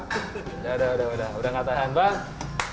udah udah udah udah enggak tahan bang